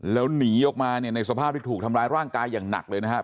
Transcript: แล้วหนีออกมาเนี่ยในสภาพที่ถูกทำร้ายร่างกายอย่างหนักเลยนะครับ